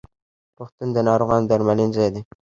روغتون د ناروغانو د درملنې ځای ده.